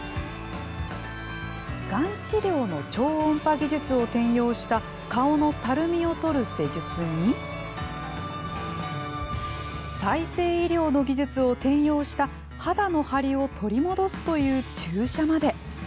がん治療の超音波技術を転用した顔のたるみをとる施術に再生医療の技術を転用した肌のハリを取り戻すという注射まで。